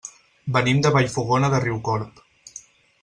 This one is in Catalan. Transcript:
Venim de Vallfogona de Riucorb.